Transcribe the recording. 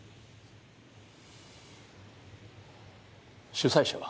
主催者は？